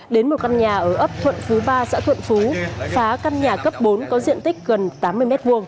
đến một căn nhà ở ấp thuận phú ba xã thuận phú phá căn nhà cấp bốn có diện tích gần tám mươi m hai